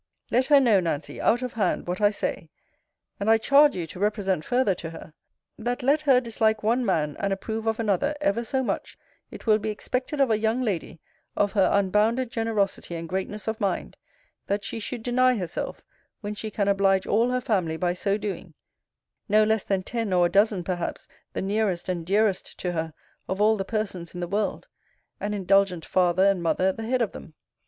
Let her know, Nancy, out of hand, what I say; and I charge you to represent farther to her, That let he dislike one man and approve of another ever so much, it will be expected of a young lady of her unbounded generosity and greatness of mind, that she should deny herself when she can oblige all her family by so doing no less than ten or a dozen perhaps the nearest and dearest to her of all the persons in the world, an indulgent father and mother at the head of them.